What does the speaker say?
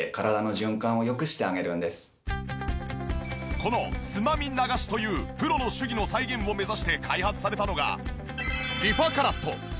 このつまみ流しというプロの手技の再現を目指して開発されたのが。